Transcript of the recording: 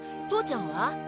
父ちゃんは？